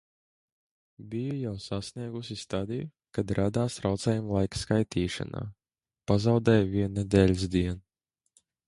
Biju jau sasniegusi stadiju, ka radās traucējumi laika skaitīšanā: pazaudēju vienu nedēļas dienu.